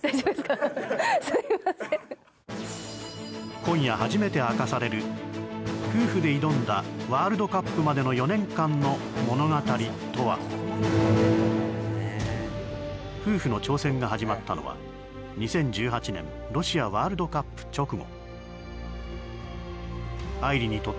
今夜初めて明かされる夫婦で挑んだワールドカップまでの４年間の物語とは夫婦の挑戦が始まったのは２０１８年ロシアワールドカップ直後。